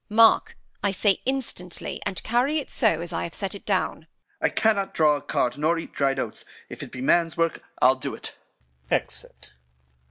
Mark I say, instantly; and carry it so As I have set it down. Capt. I cannot draw a cart, nor eat dried oats; If it be man's work, I'll do't. Exit.